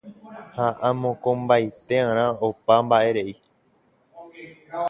ha amokõmbaite'arã opa mba'erei.